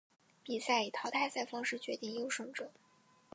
比赛以淘汰赛方式决定优胜者。